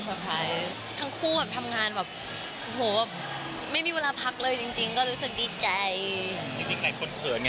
คือคือคือกลับก่อนนั้นดีไหมครับไม่ค่ะว่ามาส่งไว้ไม่ค่ะ